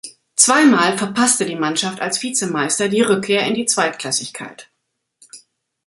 Zweimal verpasste die Mannschaft als Vizemeister die Rückkehr in die Zweitklassigkeit.